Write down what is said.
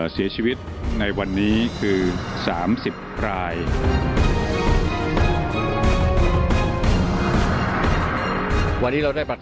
เสียชีวิตในวันนี้คือ๓๐ราย